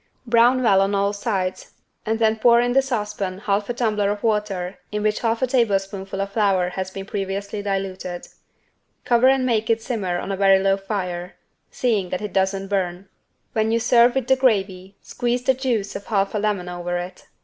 Brown well on all sides and then pour in the saucepan half a tumbler of water in which half a tablespoonful of flour has been previously diluted. Cover and make it simmer on a very low fire, seeing that it doesn't burn. When you serve with the gravy squeeze the juice of half a lemon over it.